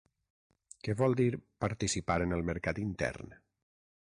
Què vol dir ‘participar en el mercat intern’?